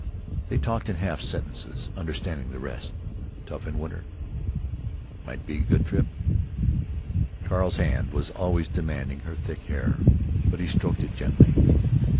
They talked in half sentences, understanding the rest: "Tough in winter——" "Might be good trip——" Carl's hand was always demanding her thick hair, but he stroked it gently.